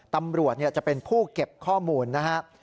ตำรวจจะเป็นผู้เก็บข้อมูลนะครับ